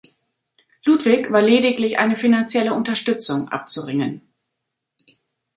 Ludwig war lediglich eine finanzielle Unterstützung abzuringen.